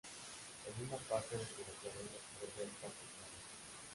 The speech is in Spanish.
En una parte de su recorrido bordea el parque Prado.